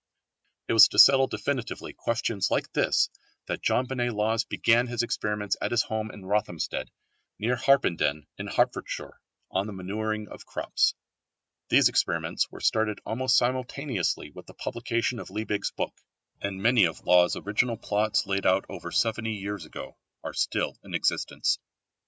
It was to settle definitely questions like this that John Bennet Lawes began his experiments at his home at Rothamsted, near Harpenden in Hertfordshire, on the manuring of crops. These experiments were started almost simultaneously with the publication of Liebig's book, and many of Lawes' original plots laid out over 70 years ago are still in existence.